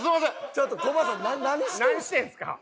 ちょっとコバさん何してるんですか？